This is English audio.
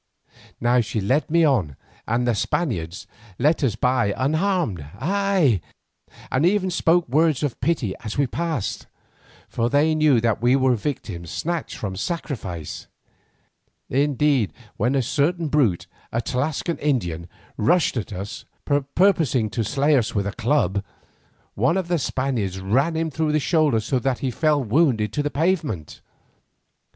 Now she led me on, and the Spaniards let us by unharmed, ay, and even spoke words of pity as we passed, for they knew that we were victims snatched from sacrifice. Indeed, when a certain brute, a Tlascalan Indian, rushed at us, purposing to slay us with a club, one of the Spaniards ran him through the shoulder so that he fell wounded to the pavement.